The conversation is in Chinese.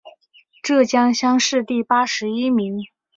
浙江乡试第八十一名。